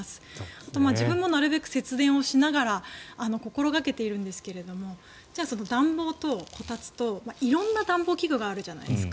あと、自分もなるべく節電をしながら心掛けているんですが暖房とこたつと色んな暖房器具があるじゃないですか。